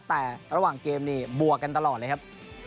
แต่ระหว่างเกมนี่บวกกันตลอดเลยครับ